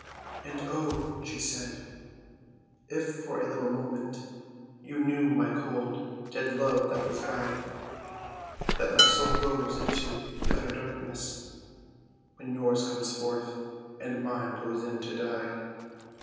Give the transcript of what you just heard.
"And oh," she said, "if for a little moment You knew, my cold, dead love, that I was by, That my soul goes into the utter darkness When yours comes forth—and mine goes in to die."